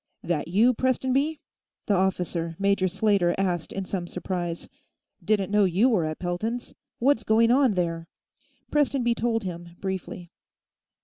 "That you, Prestonby?" the officer, Major Slater, asked in some surprise. "Didn't know you were at Pelton's. What's going on, there?" Prestonby told him, briefly.